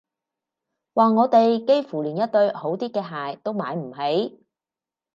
話我哋幾乎連一對好啲嘅鞋都買唔起